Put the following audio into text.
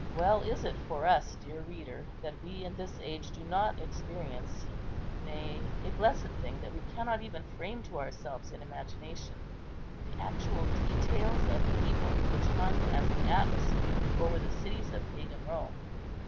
Well is it for us, dear reader, that we in this age do not experience—nay, a blessed thing that we cannot even frame to ourselves in imagination—the actual details of evil which hung as an atmosphere over the cities of Pagan Rome.